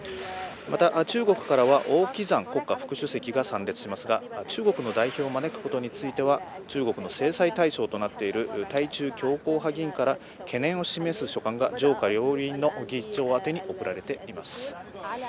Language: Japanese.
また、中国からは王岐山国家副主席が参列しますが、中国の代表を招くことについては中国の制裁対象となっている対中強硬派議員から懸念を示す書簡が上下両院の議長宛てに送られています。